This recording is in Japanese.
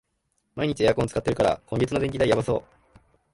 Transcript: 毎日エアコン使ってるから、今月の電気代やばそう